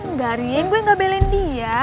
nggak rin gue gak belain dia